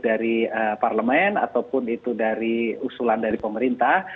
dari parlemen ataupun itu dari usulan dari pemerintah